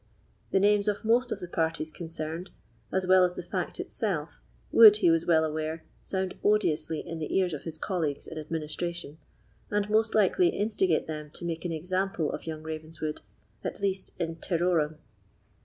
The names of most of the parties concerned, as well as the fact itself, would, he was well aware, sound odiously in the ears of his colleagues in administration, and most likely instigate them to make an example of young Ravenswood, at least, in terrorem.